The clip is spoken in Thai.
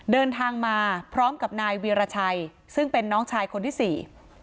เดินทางมาพร้อมกับนายวีรชัยซึ่งเป็นน้องชายคนที่สี่